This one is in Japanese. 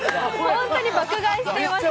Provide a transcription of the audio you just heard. ホントに爆買いしていました